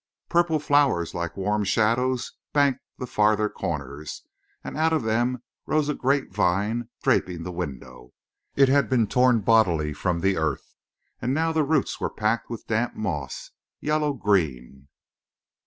Purple flowers like warm shadows banked the farther corners, and out of them rose a great vine draping the window. It had been torn bodily from the earth, and now the roots were packed with damp moss, yellow green.